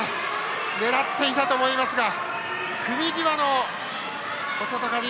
狙っていたと思いますが組み際の小外刈り。